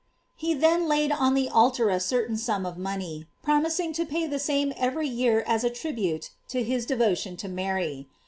He then laid on the altar a certain sum of money, prom ising to pay the same every year as a tribute of his devotion to Mary.